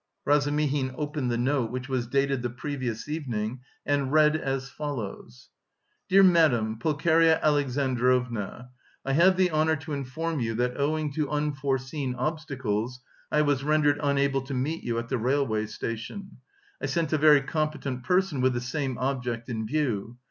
Razumihin opened the note which was dated the previous evening and read as follows: "Dear Madam, Pulcheria Alexandrovna, I have the honour to inform you that owing to unforeseen obstacles I was rendered unable to meet you at the railway station; I sent a very competent person with the same object in view.